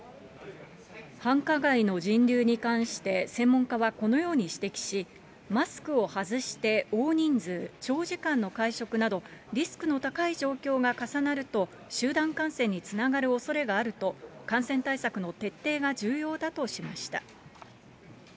繁華街の人流に関して専門家はこのように指摘し、マスクを外して大人数、長時間の会食など、リスクの高い状況が重なると、集団感染につながるおそれがあると、感染対策の徹底が重要だとしました。